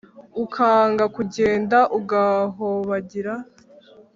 ukanga kugenda ugahobagira